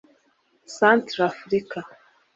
Centrafrika